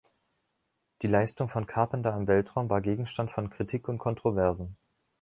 Die Leistung von Carpenter im Weltraum war Gegenstand von Kritik und Kontroversen.